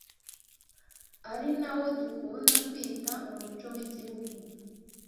ari nawo dukunda kwita umuco w’igihugu